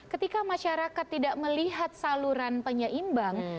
ketika masyarakat tidak melihat saluran penyeimbang